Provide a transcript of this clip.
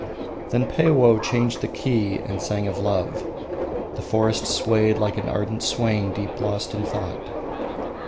Then Peiwoh changed the key and sang of love. The forest swayed like an ardent swain deep lost in thought.